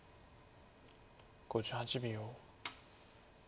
５８秒。